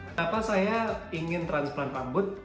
kenapa saya ingin transfer rambut